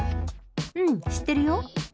うん、知ってるよ。